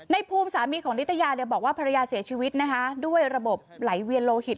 ภูมิสามีของนิตยาบอกว่าภรรยาเสียชีวิตนะคะด้วยระบบไหลเวียนโลหิต